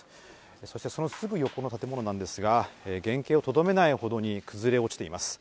そしてそのすぐ横の建物なんですが、原形をとどめないほどに崩れ落ちています。